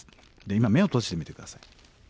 今目を閉じてみて下さい。